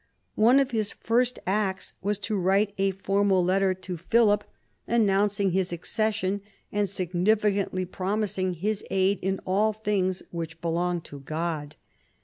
One of his first acts was to write a formal letter to Philip, announc vi PHILIP AND THE PAPACY 165 ing his accession, and significantly promising his aid in all things which belong to God.